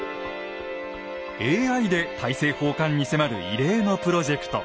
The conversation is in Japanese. ＡＩで大政奉還に迫る異例のプロジェクト。